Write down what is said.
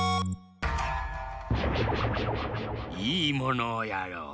いいものをやろう。